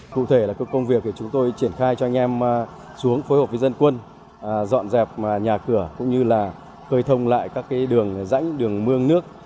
cụ thể là công việc thì chúng tôi triển khai cho anh em xuống phối hợp với dân quân dọn dẹp nhà cửa cũng như là khơi thông lại các đường rãnh đường mương nước